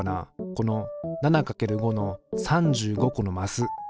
この７×５の３５個のマス。